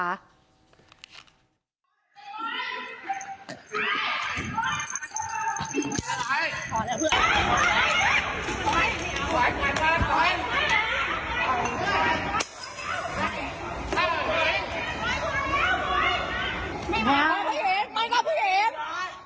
อ๊อสแต่คนที่ทำมันมาแก้ว